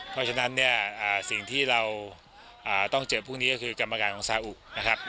เพราะฉะนั้นเนี่ยสิ่งที่เราต้องเจอพรุ่งนี้ก็คือกรรมการของซาอุนะครับ